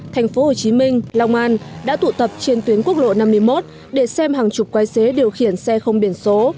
thành phố hồ chí minh long an đã tụ tập trên tuyến quốc lộ năm mươi một để xem hàng chục quái xế điều khiển xe không biển số